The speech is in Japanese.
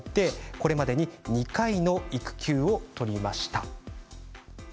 これまでに２回の育休を取りました。